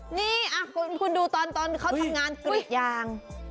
นี่คุณดูตอนเขาทำงานกรีดยาง